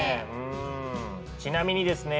ちなみにですね